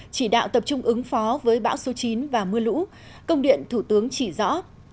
chỉ đạo tập trung ứng phó với bão số chín và mưa lũ công điện thủ tướng chỉ rõ